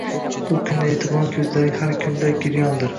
U kundan eʻtiboran koʻzlaring har kunda giryondir